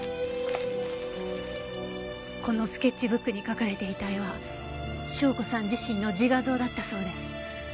このスケッチブックに描かれていた絵は笙子さん自身の自画像だったそうです。